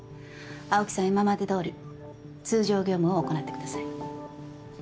青木さんは今までどおり通常業務を行ってください。